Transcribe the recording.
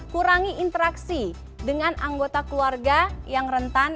kurangi interaksi dengan anggota keluarga yang rentan